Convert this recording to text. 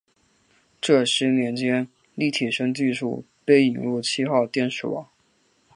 这十年间立体声技术被引入七号电视网。